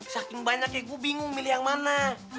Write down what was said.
saking banyak ya gue bingung milih yang mana